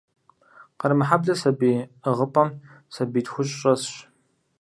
Къармэхьэблэ сабий ӏыгъыпӏэм сабий тхущӀ щӀэсщ.